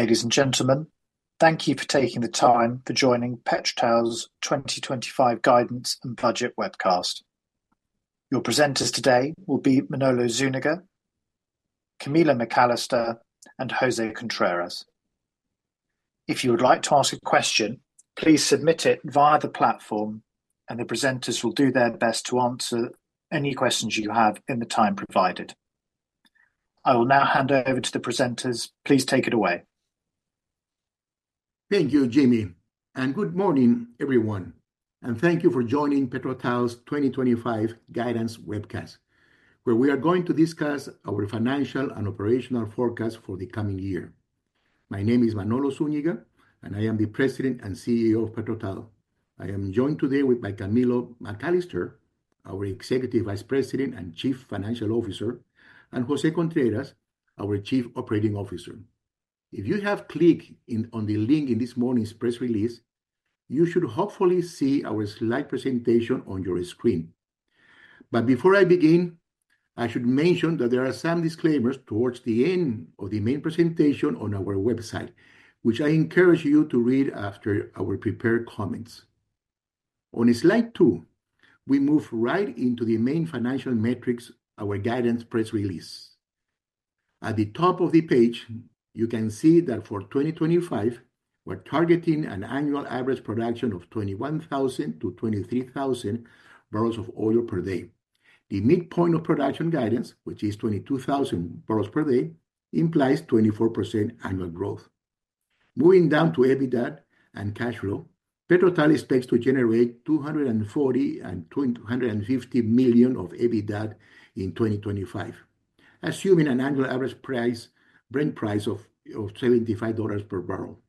Ladies and gentlemen, thank you for taking the time to join PetroTal's 2025 Guidance and Budget webcast. Your presenters today will be Manolo Zúñiga, Camilo McAllister, and José Contreras. If you would like to ask a question, please submit it via the platform, and the presenters will do their best to answer any questions you have in the time provided. I will now hand over to the presenters. Please take it away. Thank you, Jimmy, and good morning, everyone. And thank you for joining PetroTal's 2025 Guidance webcast, where we are going to discuss our financial and operational forecast for the coming year. My name is Manolo Zúñiga, and I am the President and CEO of PetroTal. I am joined today by Camilo McAllister, our Executive Vice President and Chief Financial Officer, and José Contreras, our Chief Operating Officer. If you have clicked on the link in this morning's press release, you should hopefully see our slide presentation on your screen. But before I begin, I should mention that there are some disclaimers towards the end of the main presentation on our website, which I encourage you to read after our prepared comments. On slide two, we move right into the main financial metrics of our guidance press release. At the top of the page, you can see that for 2025, we're targeting an annual average production of 21,000-23,000 barrels of oil per day. The midpoint of production guidance, which is 22,000 barrels per day, implies 24% annual growth. Moving down to EBITDA and cash flow, PetroTal expects to generate $240-$250 million of EBITDA in 2025, assuming an annual average Brent price of $75 per barrel.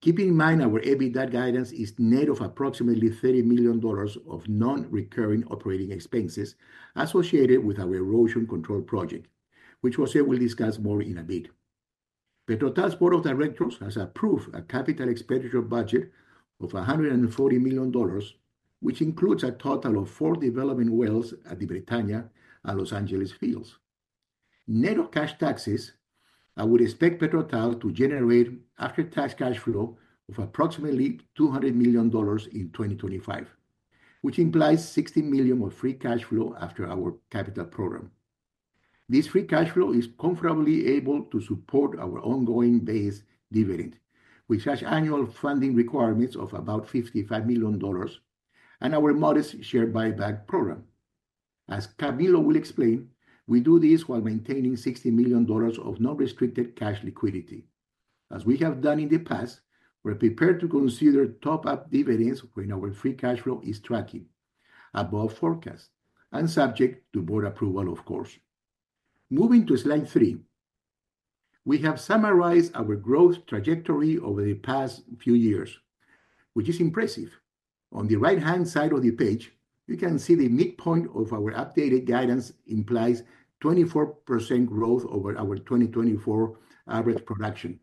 Keep in mind our EBITDA guidance is net of approximately $30 million of non-recurring operating expenses associated with our erosion control project, which José will discuss more in a bit. PetroTal's Board of Directors has approved a capital expenditure budget of $140 million, which includes a total of four development wells at the Bretaña and Los Angeles fields. Net of cash taxes, I would expect PetroTal to generate after-tax cash flow of approximately $200 million in 2025, which implies $60 million of free cash flow after our capital program. This free cash flow is comfortably able to support our ongoing base dividend, which has annual funding requirements of about $55 million, and our modest share buyback program. As Camilo will explain, we do this while maintaining $60 million of non-restricted cash liquidity. As we have done in the past, we're prepared to consider top-up dividends when our free cash flow is tracking above forecast and subject to board approval, of course. Moving to slide three, we have summarized our growth trajectory over the past few years, which is impressive. On the right-hand side of the page, you can see the midpoint of our updated guidance implies 24% growth over our 2024 average production,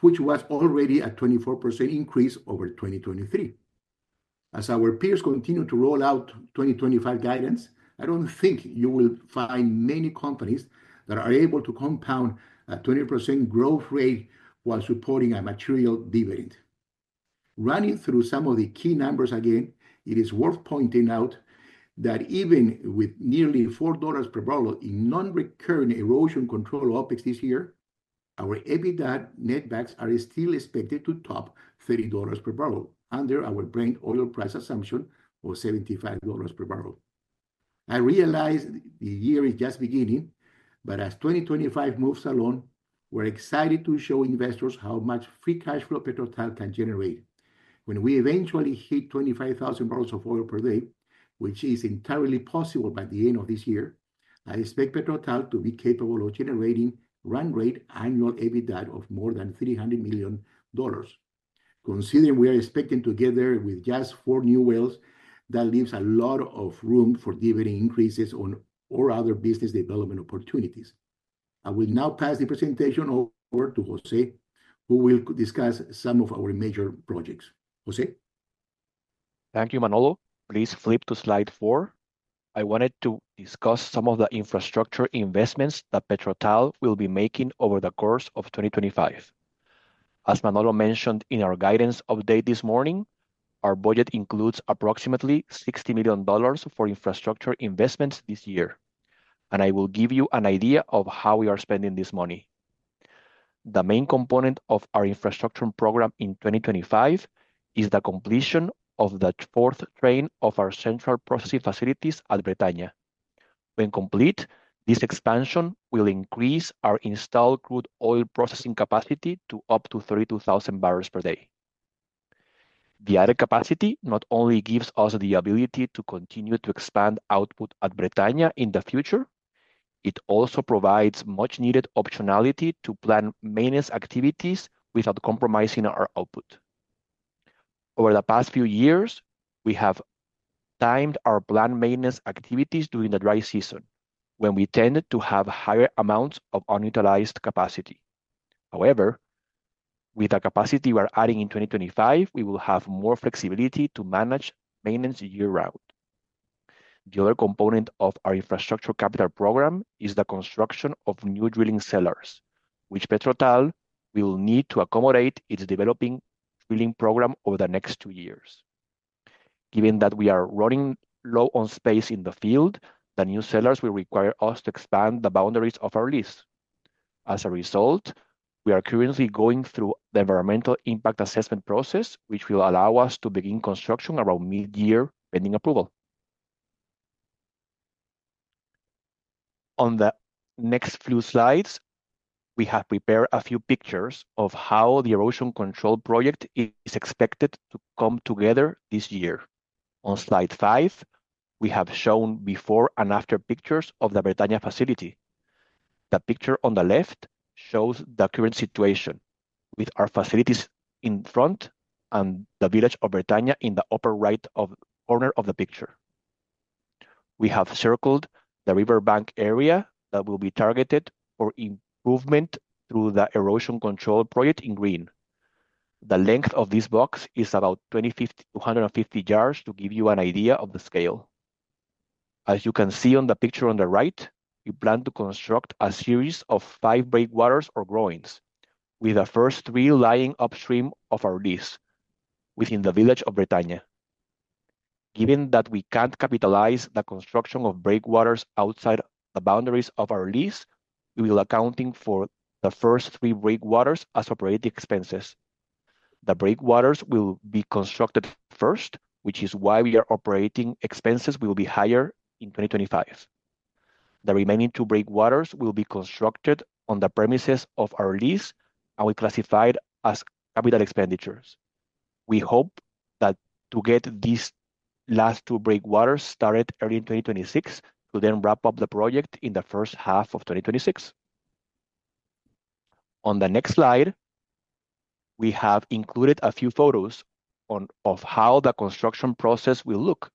which was already a 24% increase over 2023. As our peers continue to roll out 2025 guidance, I don't think you will find many companies that are able to compound a 20% growth rate while supporting a material dividend. Running through some of the key numbers again, it is worth pointing out that even with nearly $4 per barrel in non-recurring erosion control OpEx this year, our EBITDA netback is still expected to top $30 per barrel under our Brent oil price assumption of $75 per barrel. I realize the year is just beginning, but as 2025 moves along, we're excited to show investors how much free cash flow PetroTal can generate. When we eventually hit 25,000 barrels of oil per day, which is entirely possible by the end of this year, I expect PetroTal to be capable of generating run-rate annual EBITDA of more than $300 million. Considering we are expecting to get there with just four new wells, that leaves a lot of room for dividend increases or other business development opportunities. I will now pass the presentation over to José, who will discuss some of our major projects. José? Thank you, Manolo. Please flip to slide four. I wanted to discuss some of the infrastructure investments that PetroTal will be making over the course of 2025. As Manolo mentioned in our guidance update this morning, our budget includes approximately $60 million for infrastructure investments this year, and I will give you an idea of how we are spending this money. The main component of our infrastructure program in 2025 is the completion of the fourth train of our central processing facilities at Bretaña. When complete, this expansion will increase our installed crude oil processing capacity to up to 32,000 barrels per day. The added capacity not only gives us the ability to continue to expand output at Bretaña in the future, it also provides much-needed optionality to plan maintenance activities without compromising our output. Over the past few years, we have timed our plant maintenance activities during the dry season when we tend to have higher amounts of unutilized capacity. However, with the capacity we're adding in 2025, we will have more flexibility to manage maintenance year-round. The other component of our infrastructure capital program is the construction of new drilling cellars, which PetroTal will need to accommodate its developing drilling program over the next two years. Given that we are running low on space in the field, the new cellars will require us to expand the boundaries of our lease. As a result, we are currently going through the environmental impact assessment process, which will allow us to begin construction around mid-year pending approval. On the next few slides, we have prepared a few pictures of how the erosion control project is expected to come together this year. On slide five, we have shown before and after pictures of the Bretaña facility. The picture on the left shows the current situation with our facilities in front and the village of Bretaña in the upper right corner of the picture. We have circled the riverbank area that will be targeted for improvement through the erosion control project in green. The length of this box is about 250 yards to give you an idea of the scale. As you can see on the picture on the right, we plan to construct a series of five breakwaters or groins, with the first three lying upstream of our lease within the village of Bretaña. Given that we can't capitalize the construction of breakwaters outside the boundaries of our lease, we will be accounting for the first three breakwaters as operating expenses. The breakwaters will be constructed first, which is why our operating expenses will be higher in 2025. The remaining two breakwaters will be constructed on the premises of our lease, and we classify it as capital expenditures. We hope to get these last two breakwaters started early in 2026, to then wrap up the project in the first half of 2026. On the next slide, we have included a few photos of how the construction process will look.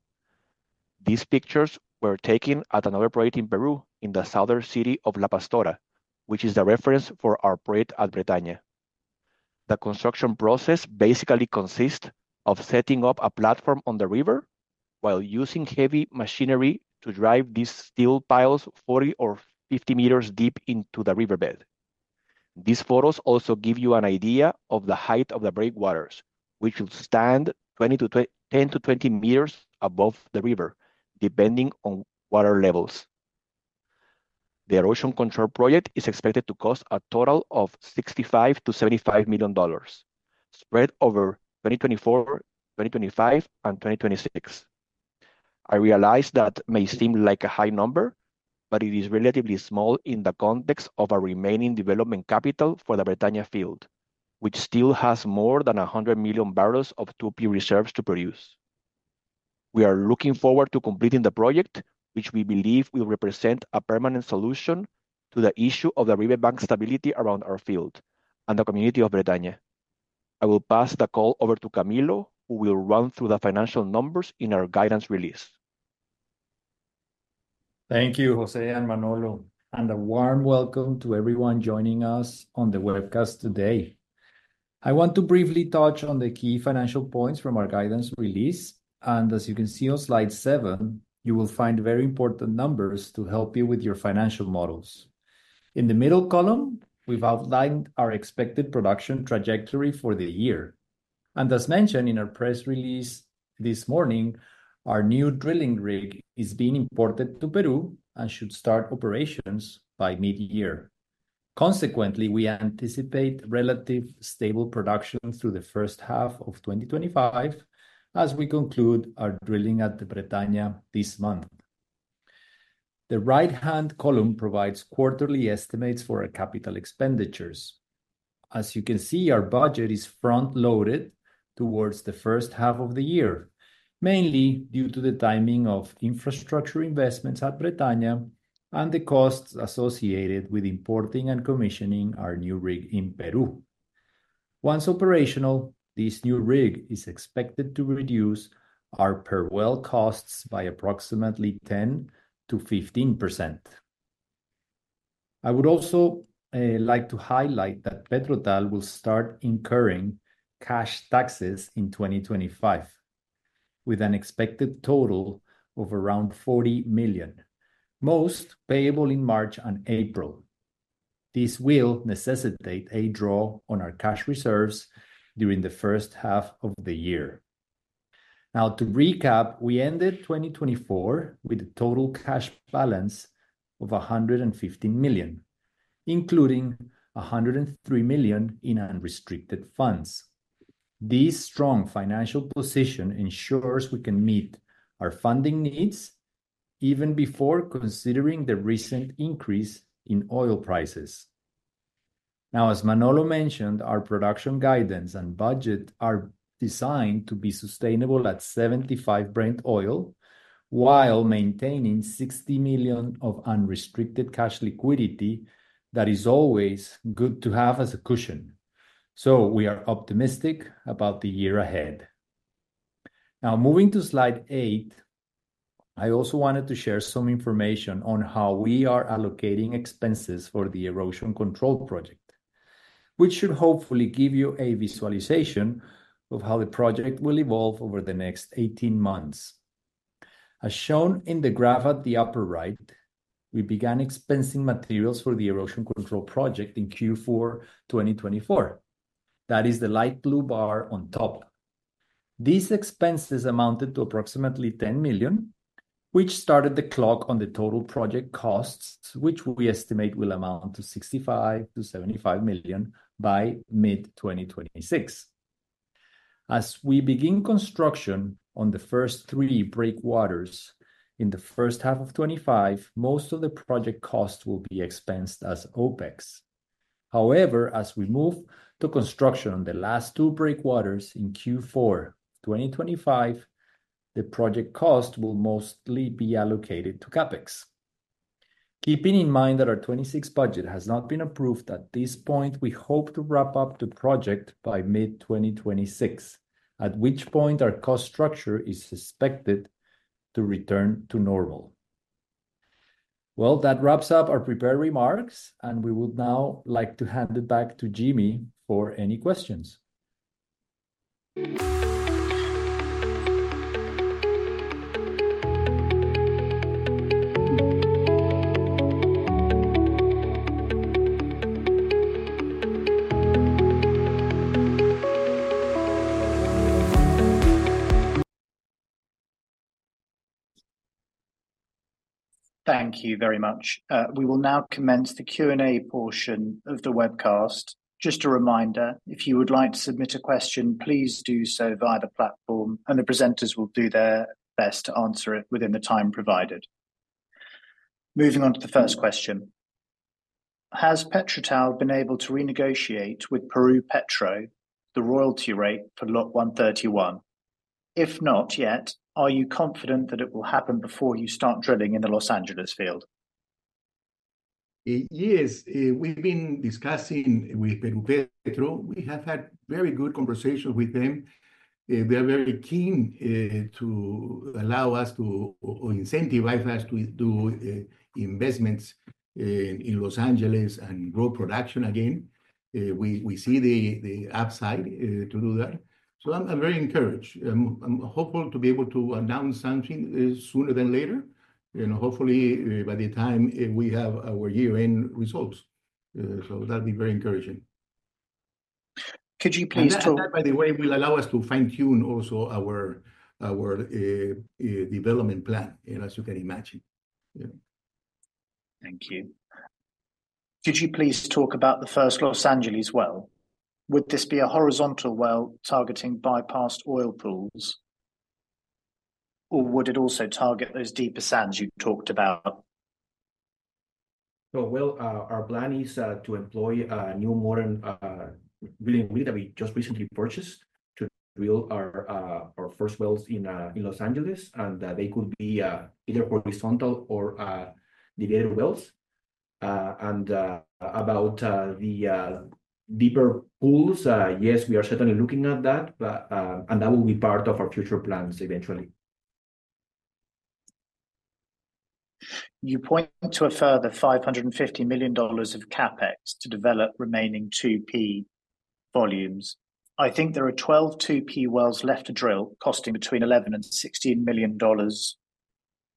These pictures were taken at another project in Peru in the southern city of La Pastora, which is the reference for our project at Bretaña. The construction process basically consists of setting up a platform on the river while using heavy machinery to drive these steel piles 40 or 50 meters deep into the riverbed. These photos also give you an idea of the height of the breakwaters, which will stand 10 to 20 meters above the river, depending on water levels. The erosion control project is expected to cost a total of $65-$75 million spread over 2024, 2025, and 2026. I realize that may seem like a high number, but it is relatively small in the context of our remaining development capital for the Bretaña field, which still has more than 100 million barrels of 2P reserves to produce. We are looking forward to completing the project, which we believe will represent a permanent solution to the issue of the riverbank stability around our field and the community of Bretaña. I will pass the call over to Camilo, who will run through the financial numbers in our guidance release. Thank you, Jose and Manolo, and a warm welcome to everyone joining us on the webcast today. I want to briefly touch on the key financial points from our guidance release, and as you can see on slide seven, you will find very important numbers to help you with your financial models. In the middle column, we've outlined our expected production trajectory for the year, and as mentioned in our press release this morning, our new drilling rig is being imported to Peru and should start operations by mid-year. Consequently, we anticipate relative stable production through the first half of 2025 as we conclude our drilling at Bretaña this month. The right-hand column provides quarterly estimates for our capital expenditures. As you can see, our budget is front-loaded towards the first half of the year, mainly due to the timing of infrastructure investments at Bretaña and the costs associated with importing and commissioning our new rig in Peru. Once operational, this new rig is expected to reduce our per well costs by approximately 10%-15%. I would also like to highlight that PetroTal will start incurring cash taxes in 2025, with an expected total of around $40 million, most payable in March and April. This will necessitate a draw on our cash reserves during the first half of the year. Now, to recap, we ended 2024 with a total cash balance of $115 million, including $103 million in unrestricted funds. This strong financial position ensures we can meet our funding needs even before considering the recent increase in oil prices. Now, as Manolo mentioned, our production guidance and budget are designed to be sustainable at 75 Brent oil while maintaining $60 million of unrestricted cash liquidity that is always good to have as a cushion. So we are optimistic about the year ahead. Now, moving to slide eight, I also wanted to share some information on how we are allocating expenses for the erosion control project, which should hopefully give you a visualization of how the project will evolve over the next 18 months. As shown in the graph at the upper right, we began expensing materials for the erosion control project in Q4 2024. That is the light blue bar on top. These expenses amounted to approximately $10 million, which started the clock on the total project costs, which we estimate will amount to $65-$75 million by mid-2026. As we begin construction on the first three breakwaters in the first half of 2025, most of the project costs will be expensed as OpEx. However, as we move to construction on the last two breakwaters in Q4 2025, the project cost will mostly be allocated to CapEx. Keeping in mind that our 2026 budget has not been approved at this point, we hope to wrap up the project by mid-2026, at which point our cost structure is expected to return to normal. Well, that wraps up our prepared remarks, and we would now like to hand it back to Jimmy for any questions. Thank you very much. We will now commence the Q&A portion of the webcast. Just a reminder, if you would like to submit a question, please do so via the platform, and the presenters will do their best to answer it within the time provided. Moving on to the first question. Has PetroTal been able to renegotiate with Perupetro the royalty rate for Block 131? If not yet, are you confident that it will happen before you start drilling in the Los Angeles field? Yes. We've been discussing with Perupetro. We have had very good conversations with them. They are very keen to allow us to incentivize us to do investments in Los Angeles and grow production again. We see the upside to do that. So I'm very encouraged. I'm hopeful to be able to announce something sooner than later, and hopefully by the time we have our year-end results. So that'd be very encouraging. Could you please talk? And that, by the way, will allow us to fine-tune also our development plan, as you can imagine. Thank you. Could you please talk about the first Los Angeles well? Would this be a horizontal well targeting bypassed oil pools, or would it also target those deeper sands you talked about? Our plan is to employ a new modern drilling rig that we just recently purchased to drill our first wells in Los Angeles, and they could be either horizontal or deviated wells. About the deeper pools, yes, we are certainly looking at that, and that will be part of our future plans eventually. You point to a further $550 million of CapEx to develop remaining 2P volumes. I think there are 12 2P wells left to drill costing between $11-$16 million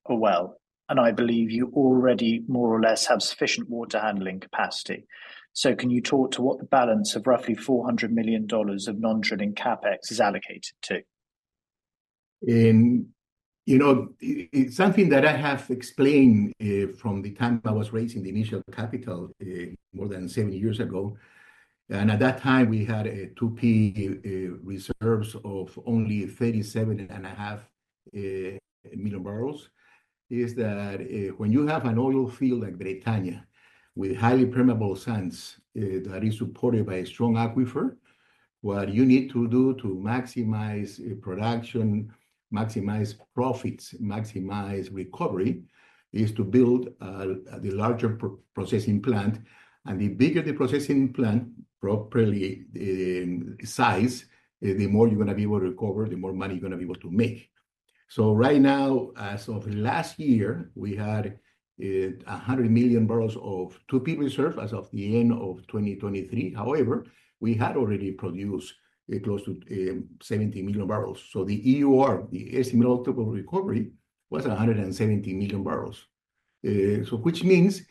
a well, and I believe you already more or less have sufficient water handling capacity. Can you talk to what the balance of roughly $400 million of non-drilling CapEx is allocated to? You know, it's something that I have explained from the time I was raising the initial capital more than seven years ago. And at that time, we had 2P reserves of only 37.5 million barrels. Is that when you have an oil field like Bretaña with highly permeable sands that is supported by a strong aquifer, what you need to do to maximize production, maximize profits, maximize recovery is to build the larger processing plant. And the bigger the processing plant properly size, the more you're going to be able to recover, the more money you're going to be able to make. So right now, as of last year, we had 100 million barrels of 2P reserve as of the end of 2023. However, we had already produced close to 70 million barrels. So the EUR, the estimate of recovery, was 170 million barrels. So which means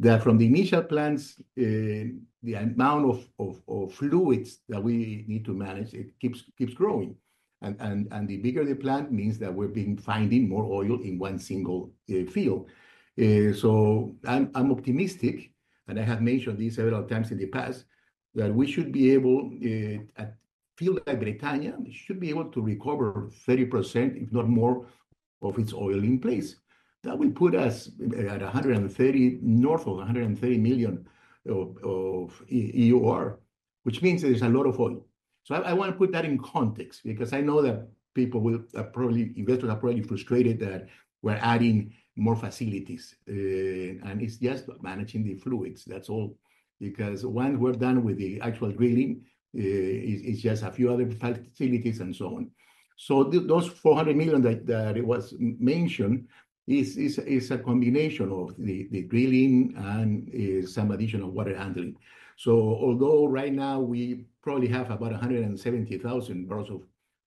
that from the initial plants, the amount of fluids that we need to manage, it keeps growing. And the bigger the plant means that we're finding more oil in one single field. I'm optimistic, and I have mentioned this several times in the past, that we should be able at fields like Bretaña, we should be able to recover 30%, if not more, of its oil in place. That would put us at north of 130 million of EUR, which means there's a lot of oil. I want to put that in context because I know that people will probably investors are probably frustrated that we're adding more facilities, and it's just managing the fluids. That's all. Because once we're done with the actual drilling, it's just a few other facilities and so on. So those $400 million that was mentioned is a combination of the drilling and some additional water handling. So although right now we probably have about 170,000 barrels of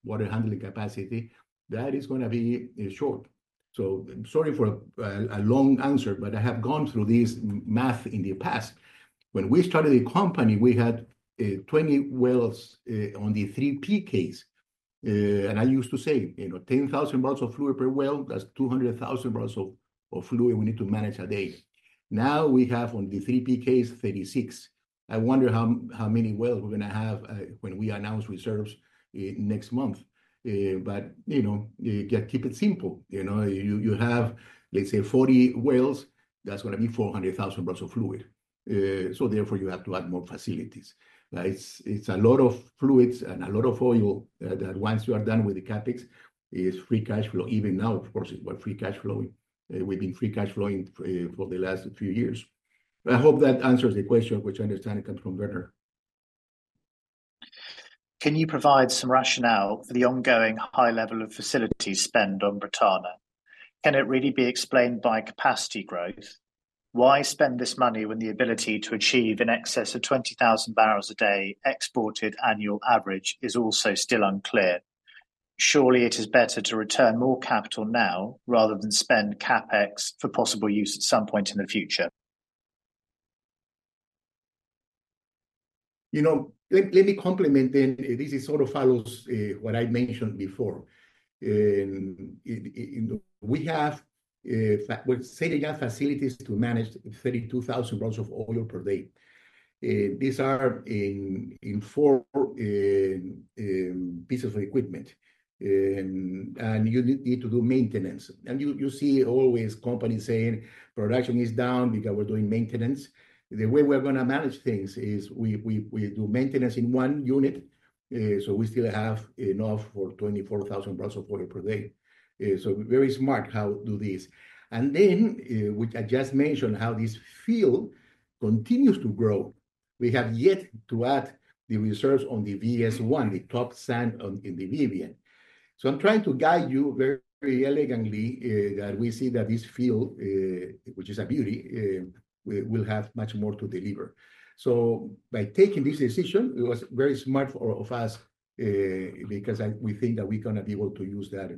water handling capacity, that is going to be short. So sorry for a long answer, but I have gone through this math in the past. When we started the company, we had 20 wells on the 3P case. And I used to say, you know, 10,000 barrels of fluid per well, that's 200,000 barrels of fluid we need to manage a day. Now we have on the 3P case 36. I wonder how many wells we're going to have when we announce reserves next month. But you know, keep it simple. You know, you have, let's say, 40 wells, that's going to be 400,000 barrels of fluid. So therefore, you have to add more facilities. It's a lot of fluids and a lot of oil that once you are done with the CapEx, it's free cash flow. Even now, of course, it's free cash flowing. We've been free cash flowing for the last few years. I hope that answers the question, which I understand it comes from Berner. Can you provide some rationale for the ongoing high level of facility spend on Bretaña? Can it really be explained by capacity growth? Why spend this money when the ability to achieve in excess of 20,000 barrels a day exported annual average is also still unclear? Surely it is better to return more capital now rather than spend CAPEX for possible use at some point in the future. You know, let me comment then. This sort of follows what I mentioned before. We have satellite facilities to manage 32,000 barrels of oil per day. These are in four pieces of equipment, and you need to do maintenance. And you see always companies saying production is down because we're doing maintenance. The way we're going to manage things is we do maintenance in one unit, so we still have enough for 24,000 barrels of oil per day. So very smart how to do this. And then we just mentioned how this field continues to grow. We have yet to add the reserves on the VS1, the top sand in the Vivian. So I'm trying to guide you very elegantly that we see that this field, which is a beauty, will have much more to deliver. So by taking this decision, it was very smart of us because we think that we're going to be able to use that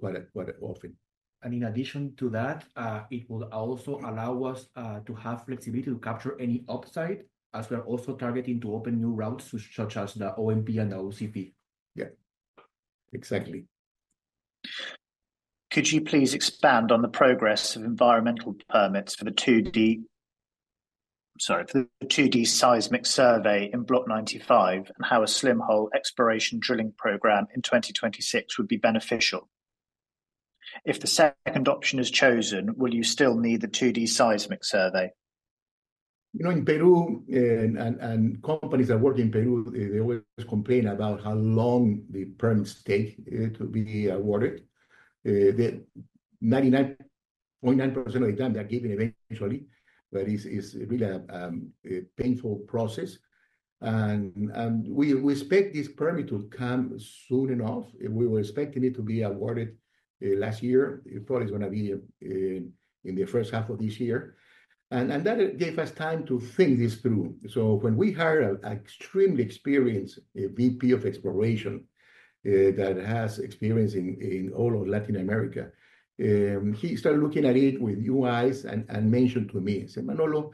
quite often. In addition to that, it will also allow us to have flexibility to capture any upside as we're also targeting to open new routes such as the ONP and the OCP. Yeah, exactly. Could you please expand on the progress of environmental permits for the 2D seismic survey in Block 95 and how a slim hole exploration drilling program in 2026 would be beneficial? If the second option is chosen, will you still need the 2D seismic survey? You know, in Peru, and companies that work in Peru, they always complain about how long the permits take to be awarded. 99.9% of the time they're given eventually, but it's really a painful process, and we expect this permit to come soon enough. We were expecting it to be awarded last year. It probably is going to be in the first half of this year, and that gave us time to think this through. When we hired an extremely experienced VP of Exploration that has experience in all of Latin America, he started looking at it with new eyes and mentioned to me. He said, "Manolo,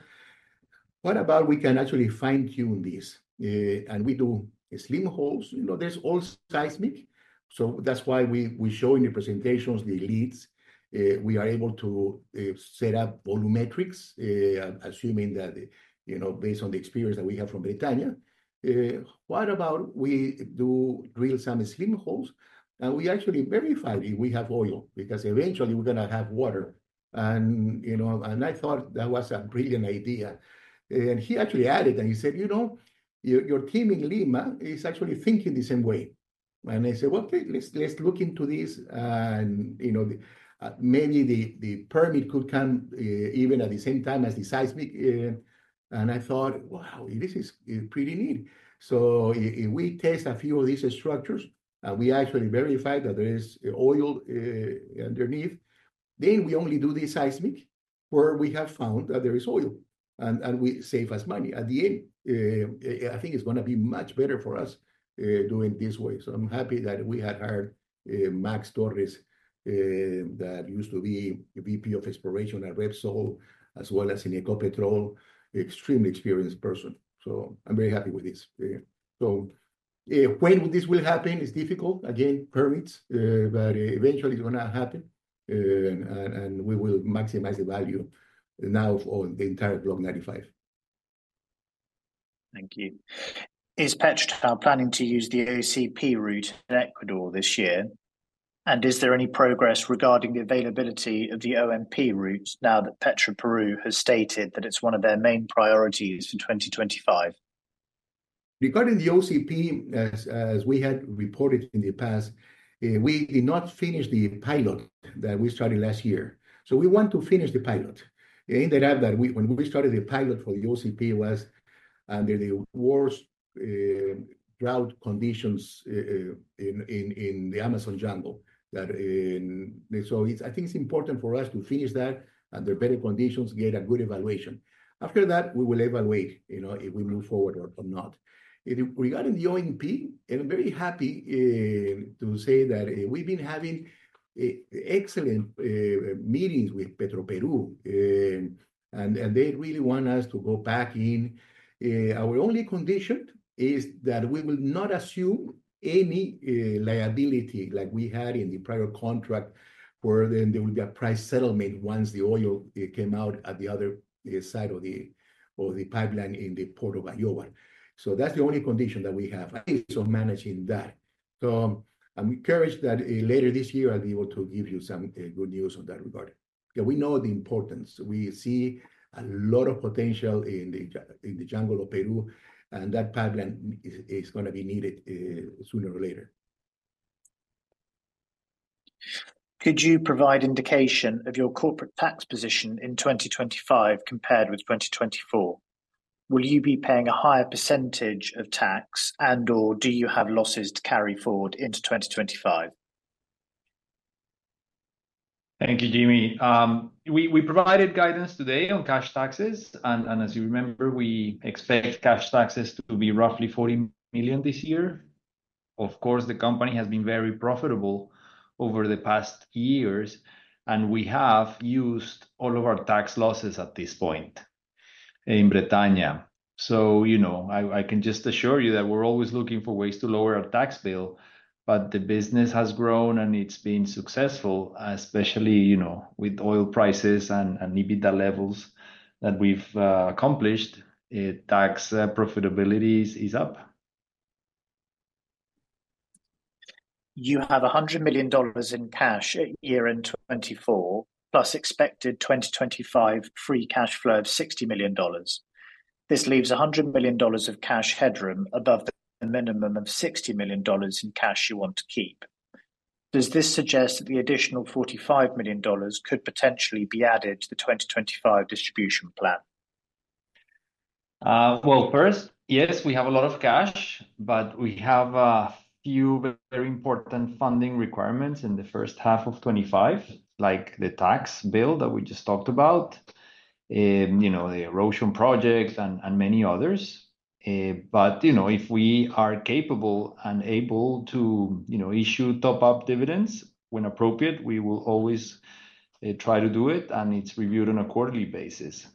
what about we can actually fine-tune this?" We do slim holes. You know, there's all seismic. That's why we show in the presentations the leads. We are able to set up volumetrics, assuming that based on the experience that we have from Bretaña. What about we do drill some slim holes, and we actually verify if we have oil because eventually we're going to have water, and I thought that was a brilliant idea, and he actually added, and he said, "You know, your team in Lima is actually thinking the same way," and I said, "Well, let's look into this," and maybe the permit could come even at the same time as the seismic, and I thought, "Wow, this is pretty neat," so we test a few of these structures. We actually verify that there is oil underneath, then we only do the seismic where we have found that there is oil, and we save us money. At the end, I think it's going to be much better for us doing it this way. I'm happy that we had hired Max Torres, that used to be VP of exploration at Repsol, as well as in Ecopetrol, an extremely experienced person. I'm very happy with this. When this will happen, it's difficult. Again, permits, but eventually it's going to happen, and we will maximize the value now of the entire Block 95. Thank you. Is PetroTal planning to use the OCP route in Ecuador this year? And is there any progress regarding the availability of the ONP route now that Petroperú has stated that it's one of their main priorities in 2025? Regarding the OCP, as we had reported in the past, we did not finish the pilot that we started last year. So we want to finish the pilot. In fact, when we started the pilot for the OCP, it was under the worst drought conditions in the Amazon jungle. So I think it's important for us to finish that under better conditions, get a good evaluation. After that, we will evaluate if we move forward or not. Regarding the ONP, I'm very happy to say that we've been having excellent meetings with Petroperú, and they really want us to go back in. Our only condition is that we will not assume any liability like we had in the prior contract where there would be a price settlement once the oil came out at the other side of the pipeline in the port of Bayóvar. So that's the only condition that we have is on managing that. So I'm encouraged that later this year, I'll be able to give you some good news on that regard. We know the importance. We see a lot of potential in the jungle of Peru, and that pipeline is going to be needed sooner or later. Could you provide indication of your corporate tax position in 2025 compared with 2024? Will you be paying a higher percentage of tax, and/or do you have losses to carry forward into 2025? Thank you, Jimmy. We provided guidance today on cash taxes, and as you remember, we expect cash taxes to be roughly $40 million this year. Of course, the company has been very profitable over the past years, and we have used all of our tax losses at this point in Bretaña, so I can just assure you that we're always looking for ways to lower our tax bill, but the business has grown and it's been successful, especially with oil prices and EBITDA levels that we've accomplished. Tax profitability is up. You have $100 million in cash at year-end in 2024, plus expected 2025 free cash flow of $60 million. This leaves $100 million of cash headroom above the minimum of $60 million in cash you want to keep. Does this suggest that the additional $45 million could potentially be added to the 2025 distribution plan? First, yes, we have a lot of cash, but we have a few very important funding requirements in the first half of 2025, like the tax bill that we just talked about, the erosion project, and many others. But if we are capable and able to issue top-up dividends when appropriate, we will always try to do it, and it's reviewed on a quarterly basis.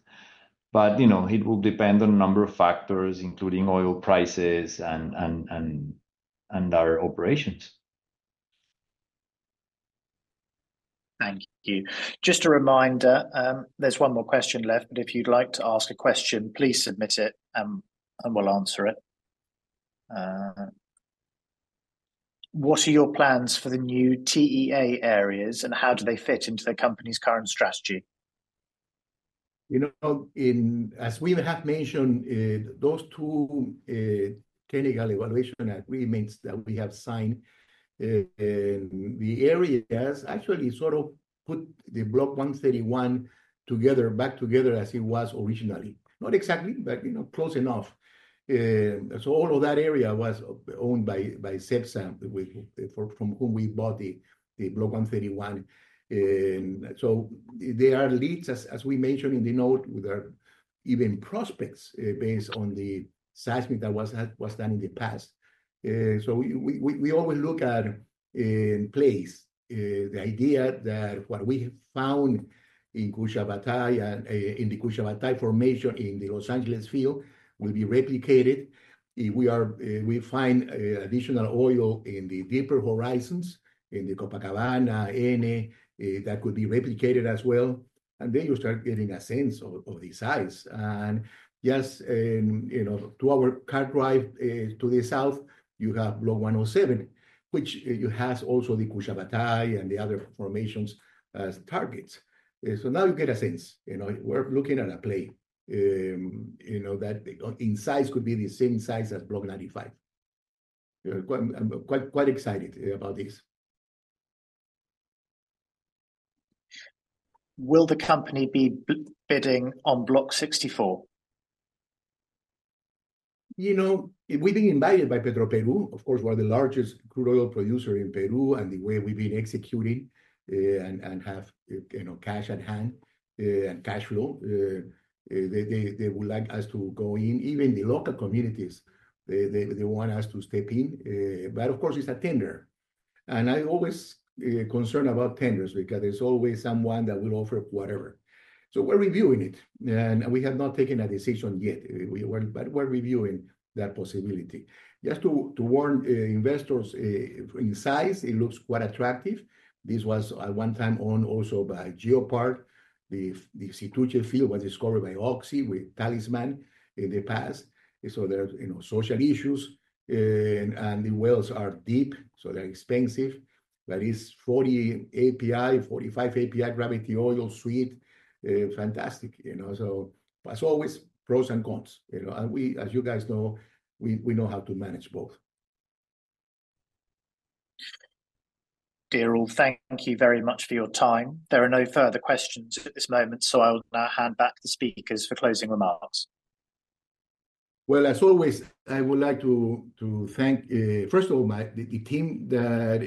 But it will depend on a number of factors, including oil prices and our operations. Thank you. Just a reminder, there's one more question left, but if you'd like to ask a question, please submit it, and we'll answer it. What are your plans for the new TEA areas, and how do they fit into the company's current strategy? You know, as we have mentioned, those two technical evaluation agreements that we have signed, the areas actually sort of put the Block 131 back together as it was originally, not exactly, but close enough, so all of that area was owned by CEPSA, from whom we bought the Block 131, so there are leads, as we mentioned in the note, with even prospects based on the seismic that was done in the past. So we always look at plays. The idea that what we found in Cushabatay and in the Cushabatay formation in the Los Angeles field will be replicated, we find additional oil in the deeper horizons in the Copacabana, Ene, that could be replicated as well, and then you start getting a sense of the size. Just to the south, you have Block 107, which has also the Cushabatay and the other formations as targets. Now you get a sense. We're looking at a play that in size could be the same size as Block 95. Quite excited about this. Will the company be bidding on Block 64? You know, we've been invited by Petroperú. Of course, we're the largest crude oil producer in Peru, and the way we've been executing and have cash at hand and cash flow, they would like us to go in. Even the local communities, they want us to step in. But of course, it's a tender, and I always concern about tenders because there's always someone that will offer whatever, so we're reviewing it, and we have not taken a decision yet, but we're reviewing that possibility. Just to warn investors, in size, it looks quite attractive. This was at one time owned also by GeoPark. The Situche field was discovered by Oxy with Talisman in the past, so there are social issues, and the wells are deep, so they're expensive, but it's 40 API, 45 API gravity oil suite. Fantastic, so as always, pros and cons. As you guys know, we know how to manage both. Dear all, thank you very much for your time. There are no further questions at this moment, so I'll now hand back the speakers for closing remarks. As always, I would like to thank, first of all, the team that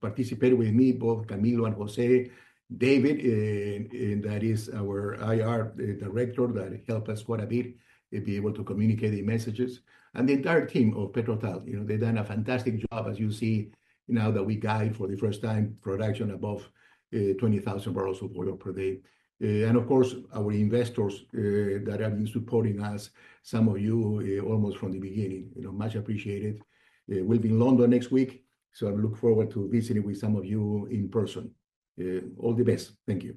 participated with me, both Camilo and Jose, David, and that is our IR director that helped us quite a bit to be able to communicate the messages, and the entire team of PetroTal. They've done a fantastic job, as you see now that we guide for the first time production above 20,000 barrels of oil per day, and of course, our investors that have been supporting us, some of you almost from the beginning, much appreciated. We'll be in London next week, so I look forward to visiting with some of you in person. All the best. Thank you.